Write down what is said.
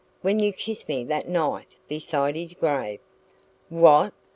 and when you kissed me that night beside his grave " "WHAT!"